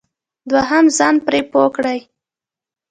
دوهم ځان پرې پوه کړئ.